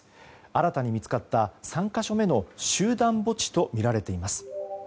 新たに見つかった３か所目の集団墓地とみられています。